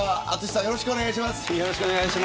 淳さん、よろしくお願いします。